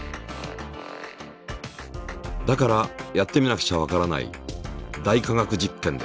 だからやってみなくちゃわからない「大科学実験」で。